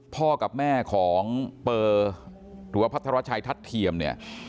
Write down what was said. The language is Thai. พ่อกับแม่ของเปอร์หรือว่าพัทรชัยทัศน์เทียมเนี่ย